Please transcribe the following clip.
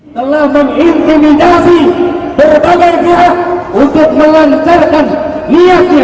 hai allah mengintimidasi berbagai pihak untuk melancarkan niatnya